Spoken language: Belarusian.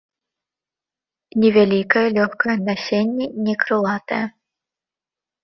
Невялікае, лёгкае насенне не крылатае.